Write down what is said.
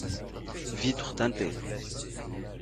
Vitres teinté.